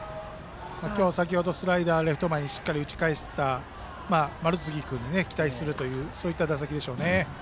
今日先程、スライダーをレフト前にしっかり打ち返した丸次君に期待する打席でしょうね。